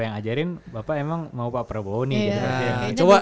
yang ajarin bapak emang mau pak prabowo nih